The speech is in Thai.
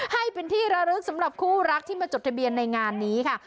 ให้เป็นที่ระลึกสำหรับคู่รักที่มาจดทะเบียนในงานนี้ค่ะ